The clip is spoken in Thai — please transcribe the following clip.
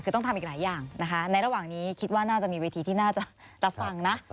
คือต้องทำอีกหลายอย่างนะคะในระหว่างนี้คิดว่าน่าจะมีเวทีที่น่าจะรับฟังนะ